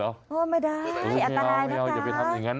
ไม่ได้อันตรายนะอย่าไปทำอย่างนั้น